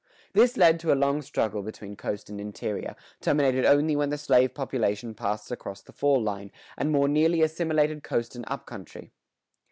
"[114:1] This led to a long struggle between coast and interior, terminated only when the slave population passed across the fall line, and more nearly assimilated coast and up country.